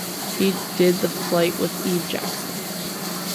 He did the flight with Eve Jackson.